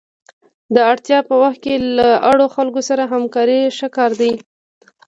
د اړتیا په وخت کې له اړو خلکو سره همکاري ښه کار دی.